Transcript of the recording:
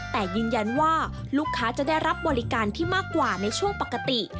แต่ยืนยันว่าลูกค้าจะได้รับบริการที่มากกว่าในช่วงปกติ